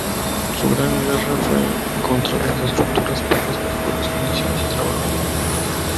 Su gran guerra fue contra las estructuras, por las mejores condiciones de trabajo".